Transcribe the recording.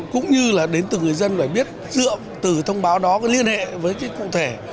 cũng như là đến từ người dân phải biết dựa từ thông báo đó liên hệ với cụ thể